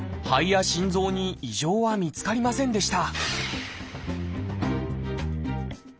肺や心臓に異常は見つかりませんでした